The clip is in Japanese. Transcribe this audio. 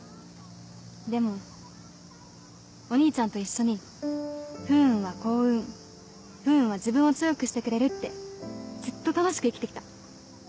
でもお兄ちゃんと一緒に「不運は幸運不運は自分を強くしてくれる」ってずっと楽しく生きて来た。